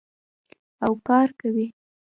او کار کوي.